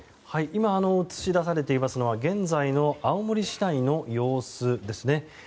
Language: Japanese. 今、映し出されているのは現在の青森市内の様子ですね。